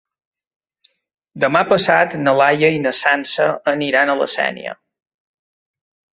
Demà passat na Laia i na Sança aniran a la Sénia.